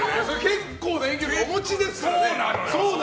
結構な演技力をお持ちですからね。